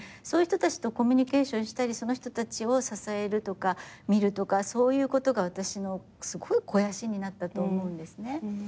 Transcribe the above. そういう人たちとコミュニケーションしたりその人たちを支えるとか見るとかそういうことが私のすごい肥やしになったと思うんですね。